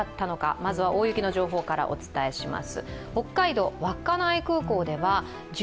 まずは大雪の情報からお伝えします。